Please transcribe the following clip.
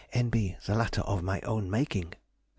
(N.B.—The latter of my own making.)